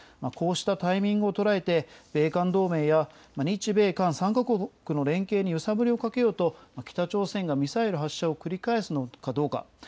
こうしたタイミングを捉えて、米韓同盟や日米韓３か国の連携にゆさぶりをかけようと、北朝鮮がミサイル発射を繰り返すのかどうか。